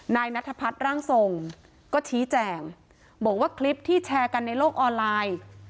นายนัทพัฒน์ร่างทรงก็ชี้แจงบอกว่าคลิปที่แชร์กันในโลกออนไลน์